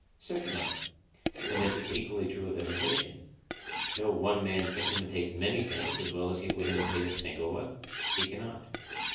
Certainly. And this is equally true of imitation; no one man can imitate many things as well as he would imitate a single one? He cannot.